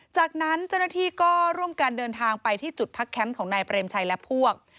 จากนั้นเจ้าหน้าที่ก็ร่วมกันเดินทางไปที่จุดพักแคมป์ของนายเปรมชัยและพวก